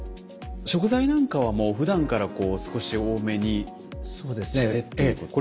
食材なんかはふだんから少し多めにしてということなんですね。